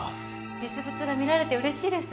実物が見られて嬉しいです